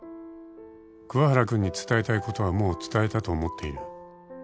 「桑原君に伝えたいことはもう伝えたと思っている」